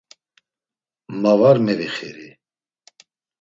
Ma var mevixiri.